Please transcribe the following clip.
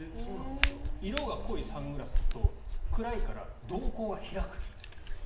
色が濃いサングラスだと暗いから瞳孔が開く。